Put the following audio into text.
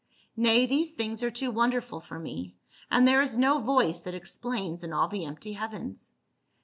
Nay, these things are too wonderful for me, and there is no voice that explains in all the empty heavens.